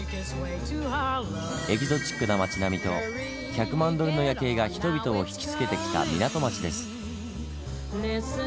エキゾチックな町並みと１００万ドルの夜景が人々を引き付けてきた港町です。